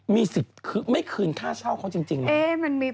ถูกเราลืมอ่านหรือเปล่า